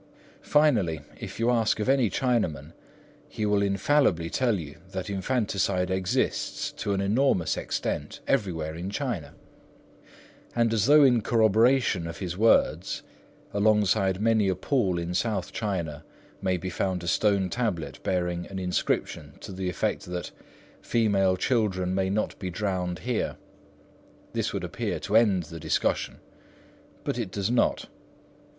Finally, if you ask of any Chinaman, he will infallibly tell you that infanticide exists to an enormous extent everywhere in China; and as though in corroboration of his words, alongside many a pool in South China may be found a stone tablet bearing an inscription to the effect that "Female children may not be drowned here." This would appear to end the discussion; but it does not.